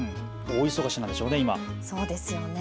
大忙しなんでしょうね、今。